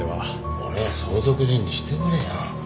俺を相続人にしてくれよ。